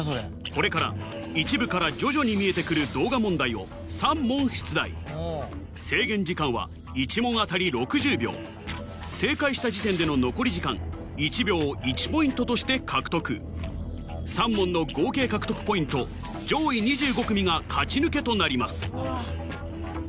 これから一部から徐々に見えてくる動画問題を３問出題制限時間は１問当たり６０秒正解した時点での残り時間１秒１ポイントとして獲得３問の合計獲得ポイント上位２５組が勝ち抜けとなります